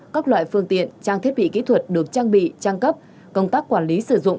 các loại phương tiện trang thiết bị kỹ thuật được trang bị trang cấp công tác quản lý sử dụng